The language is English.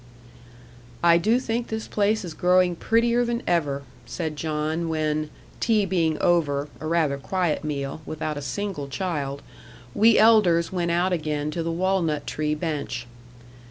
"I do think this place is growing prettier than ever," said John, when, tea being over a rather quiet meal, without a single child we elders went out again to the walnut tree bench.